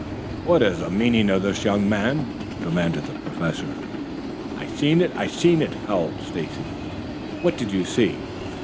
"What is the meaning of this, young man?" demanded the Professor. "I seen it, I seen it," howled Stacy. "What did you see?"